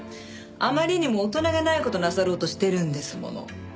あまりにも大人げない事なさろうとしてるんですもの。